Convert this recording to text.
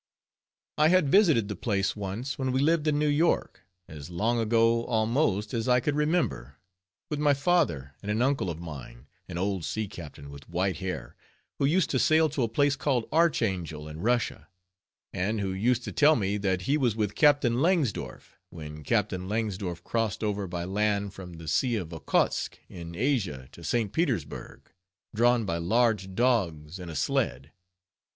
I had visited the place once when we lived in New York, as long ago almost as I could remember, with my father, and an uncle of mine, an old sea captain, with white hair, who used to sail to a place called Archangel in Russia, and who used to tell me that he was with Captain Langsdorff, when Captain Langsdorff crossed over by land from the sea of Okotsk in Asia to St. Petersburgh, drawn by large dogs in a sled.